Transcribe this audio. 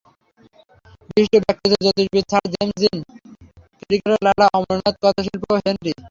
বিশিষ্ট ব্যক্তিত্ব জ্যোতির্বিদ Sir James Jeans, cricketer Lala Amarnath, কথাশিল্পীও Henry.